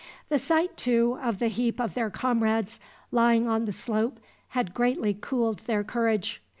The sight, too, of the heap of their comrades lying on the slope had greatly cooled their courage.